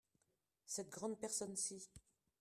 Cette grande personne-ci.